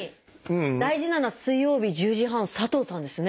大事なのは「水曜日」「１０時半」「佐藤さん」ですね。